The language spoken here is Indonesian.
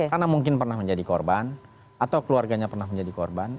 karena mungkin pernah menjadi korban atau keluarganya pernah menjadi korban